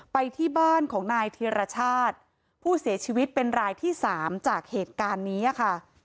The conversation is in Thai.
ไปที่บ้านของนายธิรชาติผู้เสียชีวิตเป็นรายที่๓จากเหตุการณ์นี้ค่ะ